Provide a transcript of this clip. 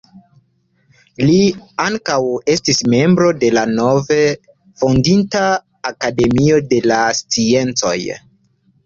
Li ankaŭ estis membro de la nove fondita Akademio de la sciencoj.